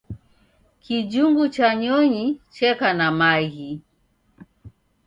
Kijhungu cha nyonyi cheka na maghi